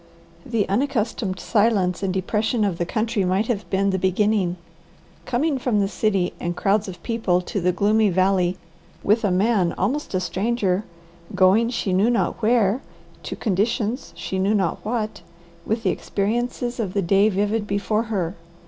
The unaccustomed silence and depression of the country might have been the beginning. Coming from the city and crowds of people to the gloomy valley with a man almost a stranger, going she knew not where, to conditions she knew not what, with the experiences of the day vivid before her.